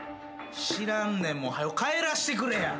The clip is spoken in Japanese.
知らんねん。はよ帰らしてくれや。